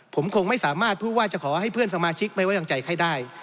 ผมคงไม่สามารถพูดว่าจะขอให้เพื่อนสมาชิกไม่ไว้วางใจใครได้